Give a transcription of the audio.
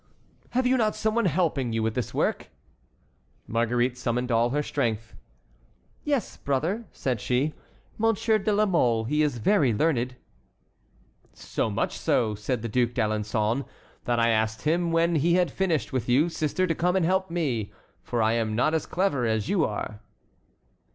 "Have you not some one helping you with this work?" Marguerite summoned all her strength. "Yes, brother," said she, "Monsieur de la Mole. He is very learned." "So much so," said the Duc d'Alençon, "that I asked him when he had finished with you, sister, to come and help me, for I am not as clever as you are."